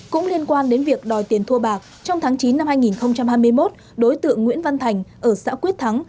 cũng liên quan đến việc đòi tiền thua bạc trong tháng chín năm hai nghìn hai mươi một đối tượng nguyễn văn thành ở xã quyết thắng